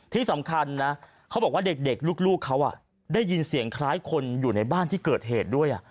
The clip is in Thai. ที่สำคัญนะเขาบอกว่าเด็กลูกเขาได้ยินเสียงคล้ายคนอยู่ในบ้านที่เกิดเหตุด้วย